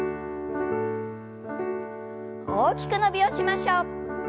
大きく伸びをしましょう。